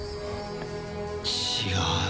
違う。